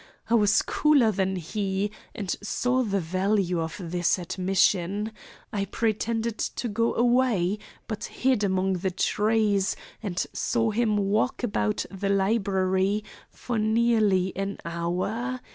I was cooler than he, and saw the value of this admission. I pretended to go away, but hid among the trees and saw him walk about the library for nearly an hour.